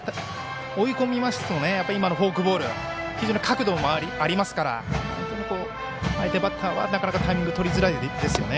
追い込みますと今のフォークボール非常に角度もありますから相手バッターはなかなかタイミングをとりづらいですよね。